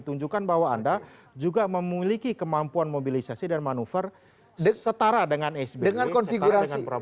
tunjukkan bahwa anda juga memiliki kemampuan mobilisasi dan manuver setara dengan sby setara dengan prabowo